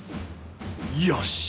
よし！